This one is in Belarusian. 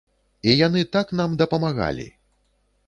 І яны так нам дапамагалі!